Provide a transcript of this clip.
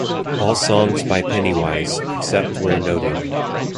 All songs by Pennywise, except where noted.